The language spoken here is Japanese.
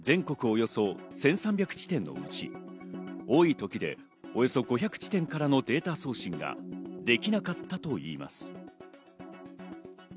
およそ１３００地点のうち、多いときで、およそ５００地点からのデータ送信ができなかったといいます。